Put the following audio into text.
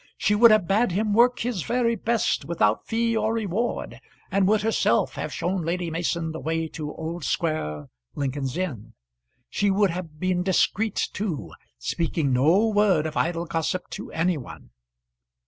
She would have bade him work his very best without fee or reward, and would herself have shown Lady Mason the way to Old Square, Lincoln's Inn. She would have been discreet too, speaking no word of idle gossip to any one.